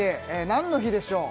何の日でしょう？